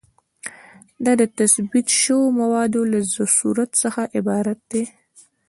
دا د تثبیت شویو مواردو له صورت څخه عبارت دی.